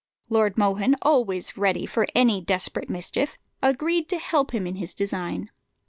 Lord Mohun, always ready for any desperate mischief, agreed to help him in his design.